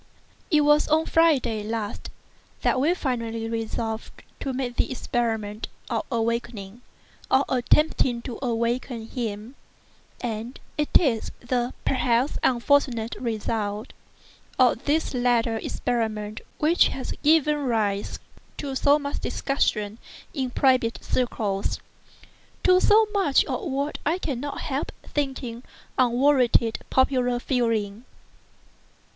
It was on Friday last that we finally resolved to make the experiment of awakening, or attempting to awaken him; and it is the (perhaps) unfortunate result of this latter experiment which has given rise to so much discussion in private circles—to so much of what I cannot help thinking unwarranted popular feeling.